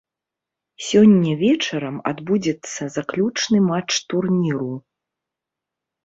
Сёння вечарам адбудзецца заключны матч турніру.